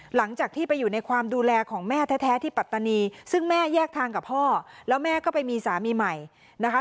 หลังจากที่ไปอยู่ในความดูแลของแม่แท้ที่ปัตตานีซึ่งแม่แยกทางกับพ่อแล้วแม่ก็ไปมีสามีใหม่นะคะ